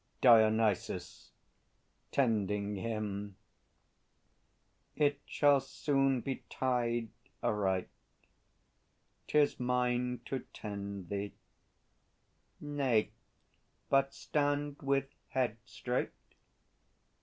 DIONYSUS (tending him). It shall soon be tied Aright. 'Tis mine to tend thee. ... Nay, but stand With head straight.